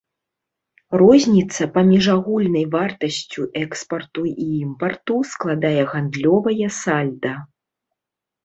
Розніца паміж агульнай вартасцю экспарту і імпарту складае гандлёвае сальда.